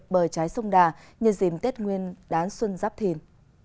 bờ trái sông đà như dìm tết nguyên đán xuân giáp thìn